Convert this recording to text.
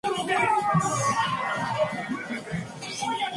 En el establo se recuperaron los restos de cuatro hombres y de dos toros.